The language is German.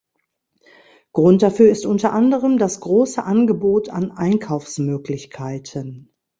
Grund dafür ist unter anderem das große Angebot an Einkaufsmöglichkeiten.